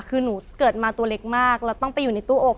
คือหนูเกิดมาตัวเล็กมากแล้วต้องไปอยู่ในตู้อบ